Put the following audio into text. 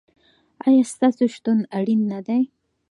ایا ستاسو شتون اړین نه دی؟